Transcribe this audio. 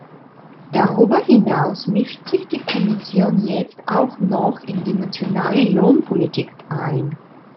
Darüber hinaus mischt sich die Kommission jetzt auch noch in die nationale Lohnpolitik ein.